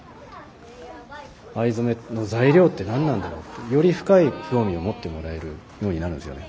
藍染めの材料って何なんだろうってより深い興味を持ってもらえるようになるんですよね。